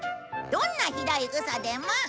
どんなひどいウソでも！